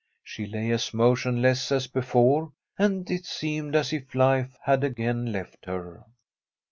She lay as motionless as before, and it seemed as if life had again left her.